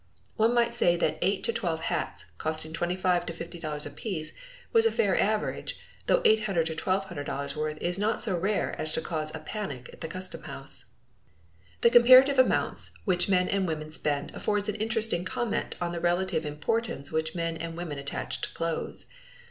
One might say that eight to twelve hats, costing $25 to $50 apiece, was a fair average, though $800 to $1200 worth is not so rare as to cause a panic at the customhouse. The comparative amounts which men and women spend affords an interesting comment on the relative importance which men and women attach to clothes.